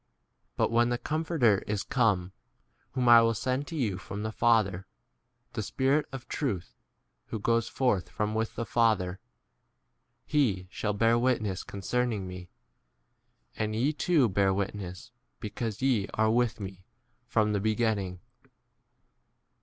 d 26 But when the Comforter is come, whom I ' will send to you from the Father, the Spirit of truth who goes forth from with the Father, he shall bear witness concerning 2 " me ; and ye* too bear witness, be cause ye are with me from [the] beginning.